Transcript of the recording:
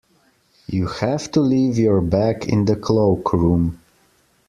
You have to leave your bag in the cloakroom